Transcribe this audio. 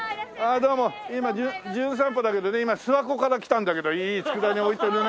今『じゅん散歩』だけどね今諏訪湖から来たんだけどいい佃煮置いてるね。